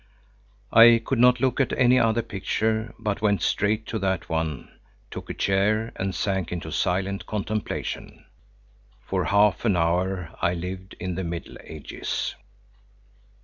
I could not look at any other picture, but went straight to that one, took a chair and sank into silent contemplation. For half an hour I lived in the Middle Ages.